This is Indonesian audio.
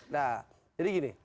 nah jadi gini